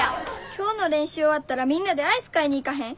今日の練習終わったらみんなでアイス買いに行かへん？